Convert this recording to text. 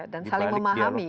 dan saling memahami